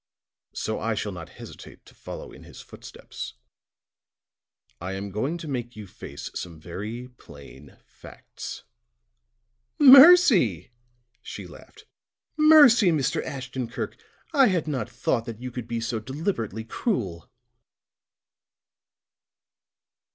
So I shall not hesitate to follow in his footsteps. I am going to make you face some very plain facts." "Mercy!" She laughed. "Mercy, Mr. Ashton Kirk. I had not thought that you could be so deliberately cruel!"